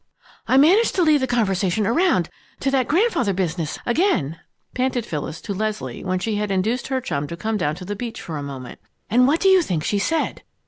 "I managed to lead the conversation around to that grandfather business again," panted Phyllis, to Leslie, when she had induced her chum to come down to the beach for a moment, "and what do you think she said?